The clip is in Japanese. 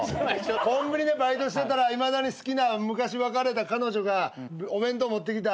コンビニでバイトしてたらいまだに好きな昔別れた彼女がお弁当持ってきた。